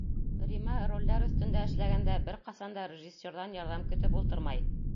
Рима ролдәр өҫтөндә эшләгәндә бер ҡасан да режиссерҙан ярҙам көтөп ултырмай.